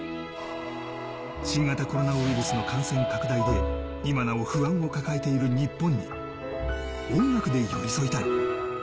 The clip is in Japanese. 新型コロナウイルスの感染拡大で今なお不安を抱えている日本に、音楽で寄り添いたい。